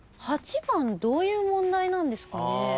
８番どういう問題なんですかね？